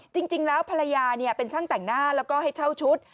จริงแล้วภรรยาเป็นช่างแต่งหน้าแล้วก็ให้เช่าชุด